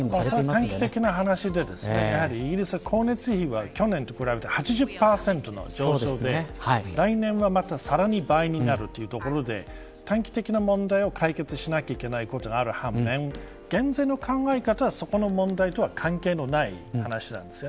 短期的な話でやはりイギリスは光熱費去年と比べて８０％の増税で、来年はまた、さらに倍になるというところで短期的な問題を解決しなければいけないことがある反面減税の考え方はそこの問題と関係のない話なんです。